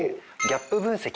ギャップ分析？